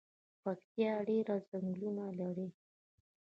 پکتیا ډیر ځنګلونه لري